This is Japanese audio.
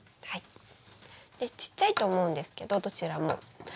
でちっちゃいと思うんですけどどちらも。